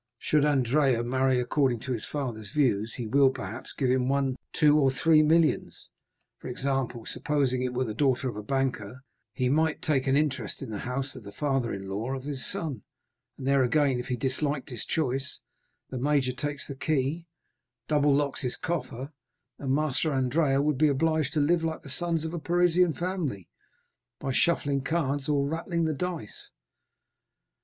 Should Andrea marry according to his father's views, he will, perhaps, give him one, two, or three millions. For example, supposing it were the daughter of a banker, he might take an interest in the house of the father in law of his son; then again, if he disliked his choice, the major takes the key, double locks his coffer, and Master Andrea would be obliged to live like the sons of a Parisian family, by shuffling cards or rattling the dice."